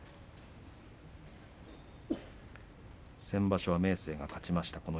先場所は明生が勝ちました